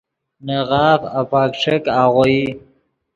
نے غاف اپک ݯیک آغوئی